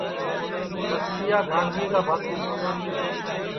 ٻستِیا گھانگِئے کا بھانتو